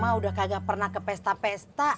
mah udah kagak pernah ke pesta pesta